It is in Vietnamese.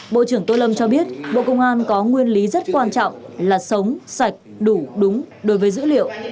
bộ trưởng tô lâm cho biết bộ công an có nguyên lý rất quan trọng là sống sạch đủ đúng đối với dữ liệu